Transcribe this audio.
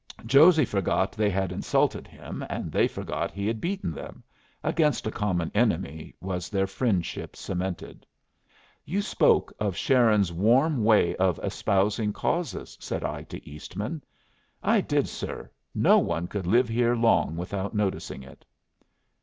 Josey forgot they had insulted him, they forgot he had beaten them; against a common enemy was their friendship cemented. "You spoke of Sharon's warm way of espousing causes," said I to Eastman. "I did, sir. No one could live here long without noticing it."